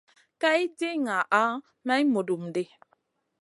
Kay di ŋaha may mudum ɗi.